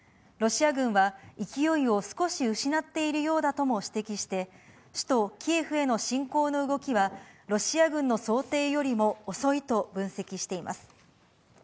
ロシア軍は勢いを少し失っているようだとも指摘して、首都キエフへの侵攻の動きは、ロシア軍の想定よりも遅いと分析しています。